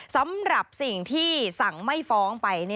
สำหรับสิ่งที่สั่งไม่ฟ้องไป